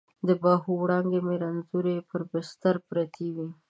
د باهو وړانګې مې رنځورې پر بستر پرتې وي